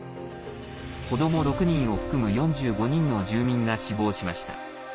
子ども６人を含む４５人の住民が死亡しました。